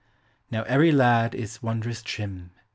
Now every lad is wond'rous trim.